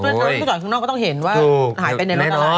เพราะว่าเห็นรถทุกอย่างที่รถจ่ายข้างนอกก็ต้องเห็น